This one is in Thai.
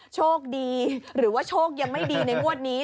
โชคดีหรือว่าโชคยังไม่ดีในงวดนี้